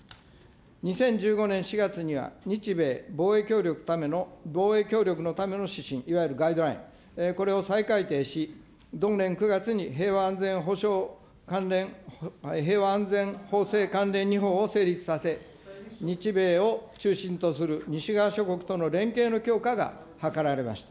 ２０１５年４月には、日米防衛協力のための指針、いわゆるガイドライン、これを再改定し、同年９月に平和安全法制関連２法を成立させ、日米を中心とする西側諸国との連携の強化が図られました。